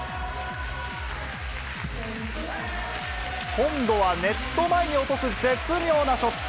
今度はネット前に落とす絶妙なショット。